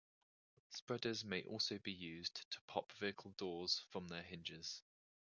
Spreaders may also be used to "pop" vehicle doors from their hinges.